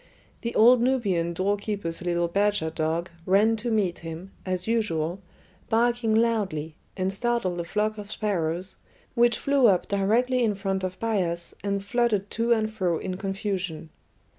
The old Nubian doorkeeper's little badger dog ran to meet him, as usual, barking loudly, and startled a flock of sparrows, which flew up directly in front of Bias and fluttered to and fro in confusion.